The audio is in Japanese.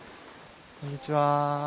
こんにちは。